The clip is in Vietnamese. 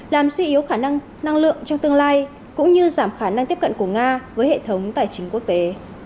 làm suy yếu khả năng năng lượng trong tương lai cũng như giảm khả năng tiếp cận của nga với hệ thống tài chính quốc tế